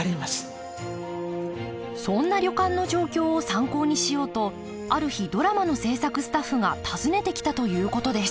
そんな旅館の状況を参考にしようとある日ドラマの制作スタッフが訪ねてきたということです